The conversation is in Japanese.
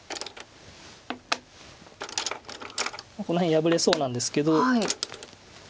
この辺破れそうなんですけど。